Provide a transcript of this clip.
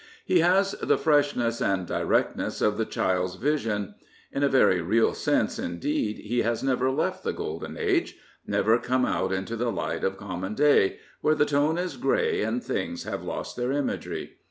He has the freshness and directness of the child's vision. In a very real sense indeed he has never left the golden age — never come out into the light of common day, where the tone is grey and things have lost their imagery.